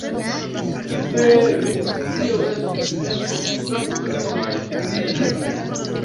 Vere, tio estis penso sankta kaj pia.